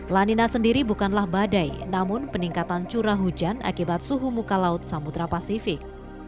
lanina sendiri bukanlah badai namun peningkatan curah hujan akibat suhu muka laut samudera pasifik